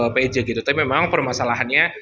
pj gitu tapi memang permasalahannya